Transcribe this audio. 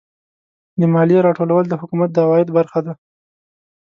د مالیې راټولول د حکومت د عوایدو برخه ده.